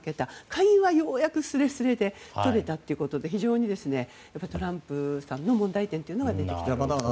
下院はようやくすれすれでとれたということで非常にトランプさんの問題点が出てきているという。